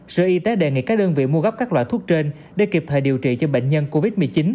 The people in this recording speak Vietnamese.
sở y tế đề nghị các đơn vị mua gấp các loại thuốc trên để kịp thời điều trị cho bệnh nhân covid một mươi chín